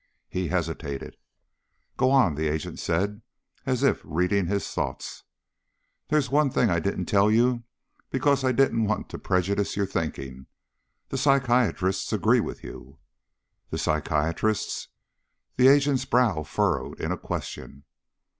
He hesitated. "Go on," the agent said, as if reading his thoughts. "There's one thing I didn't tell you because I didn't want to prejudice your thinking. The psychiatrists agree with you." "The psychiatrists?" The agent's brow furrowed in a question.